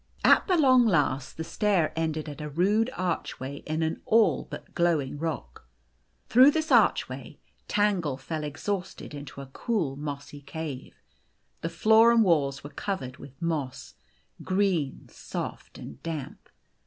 At the long last, the stair ended at a rude archway in an all but glowing rock. Through this archway Tangle fell exhausted into a cool mossy cave. The floor and walls were covered with moss green, soft, and damp.